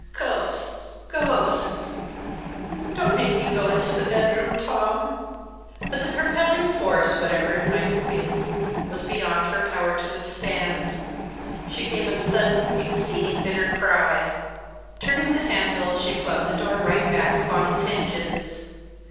Ghosts! Ghosts! Don't make me go into the bedroom, Tom." But the propelling force, whatever it might have been, was beyond her power to withstand. She gave a sudden, exceeding bitter cry. Turning the handle, she flung the door right back upon its hinges.